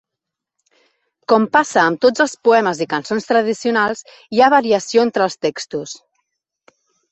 Com passa amb tots els poemes i cançons tradicionals, hi ha variació entre els textos.